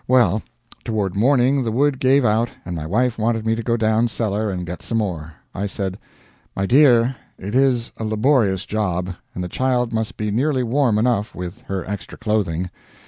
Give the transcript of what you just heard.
Well, toward morning the wood gave out and my wife wanted me to go down cellar and get some more. I said: "My dear, it is a laborious job, and the child must be nearly warm enough, with her extra clothing.